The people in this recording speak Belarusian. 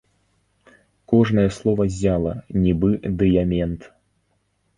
Кожнае слова ззяла, нібы дыямент.